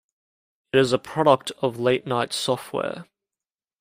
It is a product of Late Night Software.